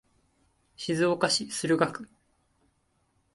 静岡市駿河区